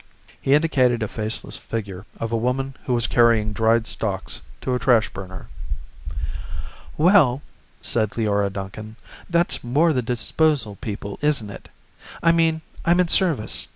He indicated a faceless figure of a woman who was carrying dried stalks to a trash burner. "Well," said Leora Duncan, "that's more the disposal people, isn't it? I mean, I'm in service.